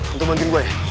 untuk bantuin gue ya